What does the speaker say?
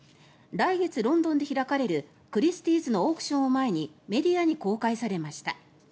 来月、ロンドンで開かれるクリスティーズのオークションを前にメディアに公開されました。